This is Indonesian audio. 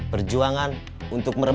perjuangan untuk merebak